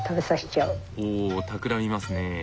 ほうたくらみますねえ。